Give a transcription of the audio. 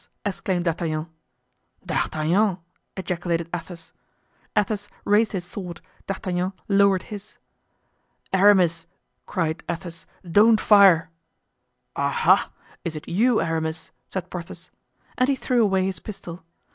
exclaimed D'Artagnan. "D'Artagnan!" ejaculated Athos. Athos raised his sword; D'Artagnan lowered his. "Aramis!" cried Athos, "don't fire!" "Ah! ha! is it you, Aramis?" said Porthos. And he threw away his pistol.